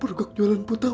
pergak jualan putau